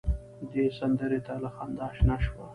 دې سندره ته له خندا شنه شوه.